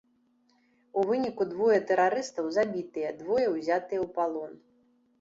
У выніку двое тэрарыстаў забітыя, двое ўзятыя ў палон.